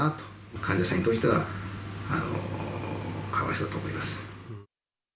患者さんとしては、かわいそうだと思います。